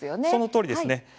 そのとおりですね。